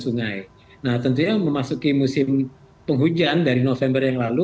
nah tentunya memasuki musim penghujan dari november yang lalu